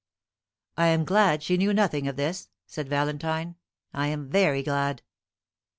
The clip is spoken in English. "I am glad she knew nothing of this," said Valentine; "I am very glad."